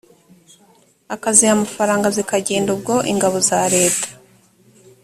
akaziha amafaranga zikagenda ubwo ingabo za leta